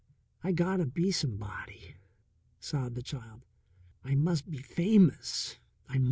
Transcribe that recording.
"I gotta be somebody," sobbed the child. "I mus' be famous, I mus'!"